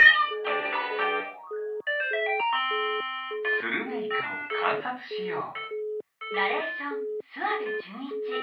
スルメイカをかんさつしよう。